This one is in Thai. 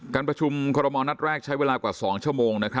การประชุมคบรมณ์นัดแรกใช้เวลากว่าสองชั่วโมงนะครับ